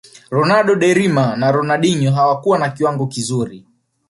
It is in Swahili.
ronaldo de Lima na Ronaldinho hawakuwa na kiwango kizuri